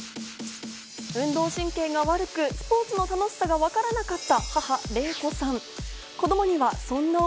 運動神経が悪くスポーツの楽しさがわからなかった母・令子さん。